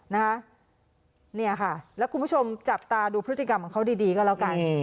เนี่ยค่ะแล้วคุณผู้ชมจับตาดูพฤติกรรมของเขาดีก็แล้วกัน